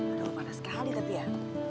aduh panas sekali tapi ya